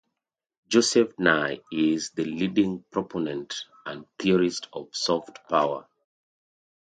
Joseph Nye is the leading proponent and theorist of soft power.